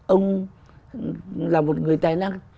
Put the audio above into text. ông là một người tài năng